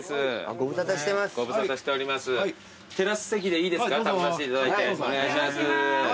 お願いします。